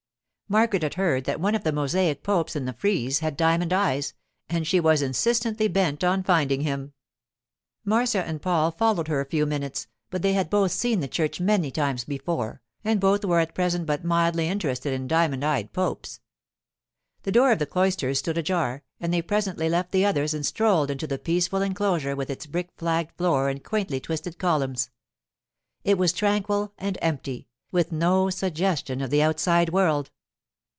Margaret had heard that one of the mosaic popes in the frieze had diamond eyes, and she was insistently bent on finding him. Marcia and Paul followed her a few minutes, but they had both seen the church many times before, and both were at present but mildly interested in diamond eyed popes. The door of the cloisters stood ajar, and they presently left the others and strolled into the peaceful enclosure with its brick flagged floor and quaintly twisted columns. It was tranquil and empty, with no suggestion of the outside world.